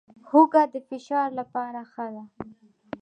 هوږه د فشار لپاره ښه ده